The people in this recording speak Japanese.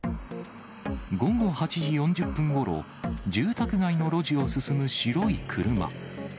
午後８時４０分ごろ、住宅街の路地を進む白い車。